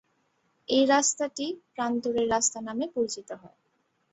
এই রাস্তাটি প্রান্তরের রাস্তা নামে পরিচিত হয়।